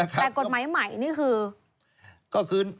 แต่กฎหมายใหม่นี่คือ